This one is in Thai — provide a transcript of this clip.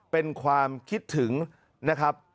เป็นความคิดถึงนะครับ